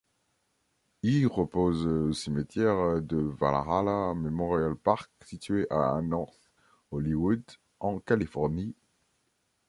Il repose au cimetière de Valhalla Memorial Park situé à North Hollywood en Californie.